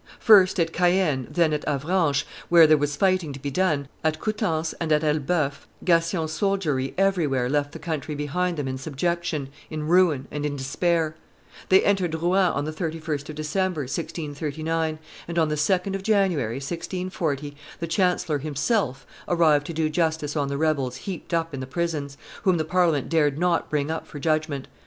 First at Caen, then at Avranches, where there was fighting to be done, at Coutances and at Elbeuf, Gassion's soldiery everywhere left the country behind them in subjection, in ruin, and in despair. They entered Rouen on the 31st of December, 1639, and on the 2d of January, 1640, the chancellor himself arrived to do justice on the rebels heaped up in the prisons, whom the Parliament dared not bring up for judgment.